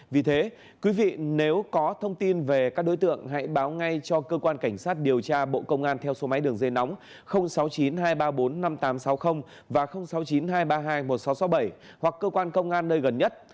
vì thế quý vị nếu có thông tin về các đối tượng hãy báo ngay cho cơ quan cảnh sát điều tra bộ công an theo số máy đường dây nóng sáu mươi chín hai trăm ba mươi bốn năm nghìn tám trăm sáu mươi và sáu mươi chín hai trăm ba mươi hai một nghìn sáu trăm sáu mươi bảy hoặc cơ quan công an nơi gần nhất